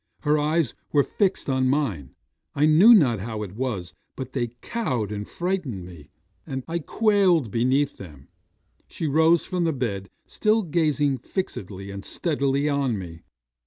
Her eyes were fixed on mine. I knew not how it was, but they cowed and frightened me; and I quailed beneath them. She rose from the bed, still gazing fixedly and steadily on me.